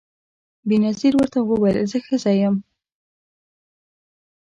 بېنظیر ورته وویل زه ښځه یم